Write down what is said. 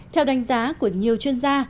theo đánh giá của nhiều chuyên gia